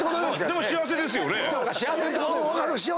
でも幸せですよね？